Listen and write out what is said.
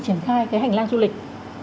triển khai cái hành lang du lịch